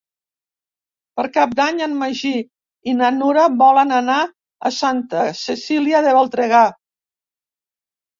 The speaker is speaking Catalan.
Per Cap d'Any en Magí i na Nura volen anar a Santa Cecília de Voltregà.